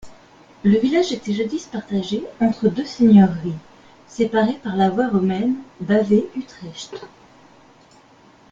Le village était jadis partagé entre deux seigneuries, séparées par la voie romaine Bavay-Utrecht.